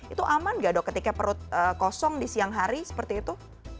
itu aman gak dok ketika perut kosong di siang hari seperti itu